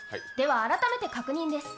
改めて確認です。